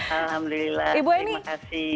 alhamdulillah terima kasih